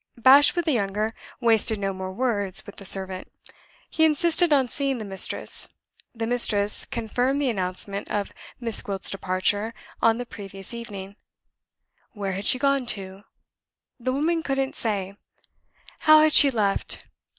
Bashwood the younger wasted no more words with the servant. He insisted on seeing the mistress. The mistress confirmed the announcement of Miss Gwilt's departure on the previous evening. Where had she gone to? The woman couldn't say. How had she left?